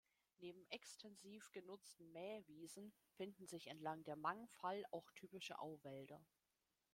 Neben extensiv genutzten Mähwiesen finden sich entlang der Mangfall auch typische Auwälder.